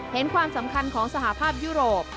เห็นความสำคัญของสหภาพยุโรป